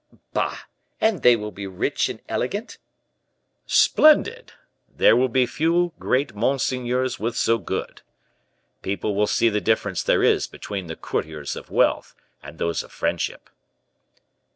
"Bah! and they will be rich and elegant?" "Splendid! There will be few great monseigneurs with so good. People will see the difference there is between the courtiers of wealth and those of friendship."